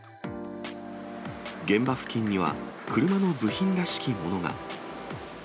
現場付近には車の部品らしきものが。